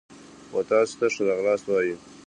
و تاسو ته ښه راغلاست وایو.